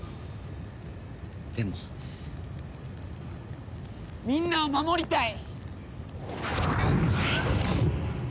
でもみんなを守りたい！